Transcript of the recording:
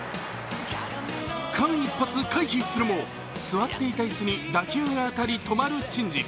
間一髪回避するも、座っていた椅子に打球が当たり、止まる珍事。